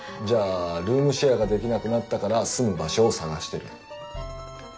じゃあルームシェアができなくなったから住む場所を探してる。